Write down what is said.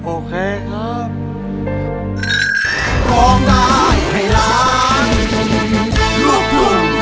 โอเคครับ